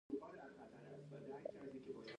غریب د پاکو هیلو خاوند وي